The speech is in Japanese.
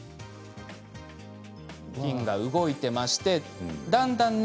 菌が動いてましてだんだんね